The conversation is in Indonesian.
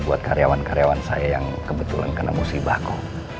buat karyawan karyawan saya yang kebetulan kena musibahku